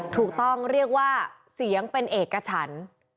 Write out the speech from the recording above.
ถูกต้องเรียกว่าเสียงเป็นเอกฉัน